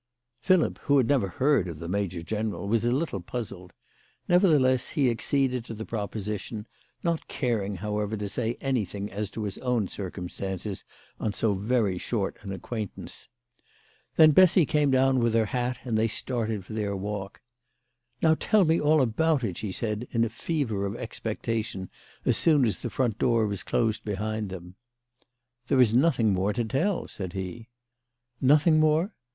Philip, who had never heard of the major general, was a little puzzled; nevertheless, he acceded to the pro position, not caring, however, to say anything as to his own circumstances on so very short an acquaintance. Then Bessy came down with her hat, and they started for their walk. " Now tell me all about it," she said, in a fever of expectation, as soon as the front door was closed behind them. " There is nothing more to tell," said he. 1 'Nothing more?"